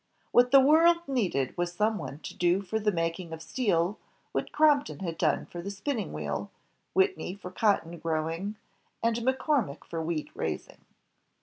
What the world needed was some one to do for the making of steel, what Crompton had done for spinning, Whitney for cotton growing, and McCormick for wheat raising.